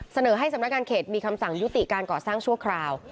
เสนอให้สำนักงานเขตมีคำสั่งยุติการก่อสร้างชั่วคราว